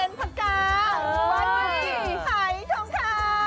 ไว้วันนี้ไหทองค่ะ